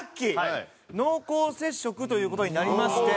濃厚接触という事になりまして。